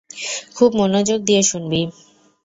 খুব মনোযোগ দিয়ে শুনবি!